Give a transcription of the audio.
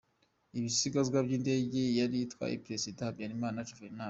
Ibisigazwa by’Indege yari itwaye perezida Habyarimana Juvenal